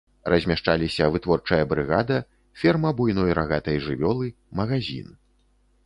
Размяшчаліся вытворчая брыгада, ферма буйной рагатай жывёлы, магазін.